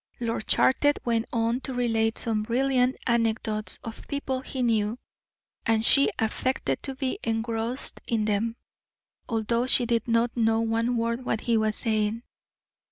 Lord Charter went on to relate some brilliant anecdotes of people he knew, and she affected to be engrossed in them, although she did not know one word that he was saying.